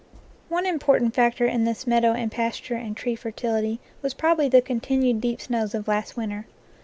One important factor in this meadow and pasture and tree fertility was probably the continued: deep snows of last winter.